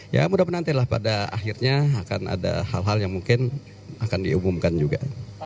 ya mudah mudahan nantilah pada akhirnya akan ada hal hal yang mungkin akan diumumkan juga